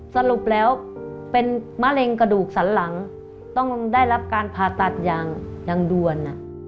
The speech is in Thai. สรุปแล้วเป็นมะเร็งกระดูกสันหลังต้องได้รับการผ่าตัดอย่างด่วน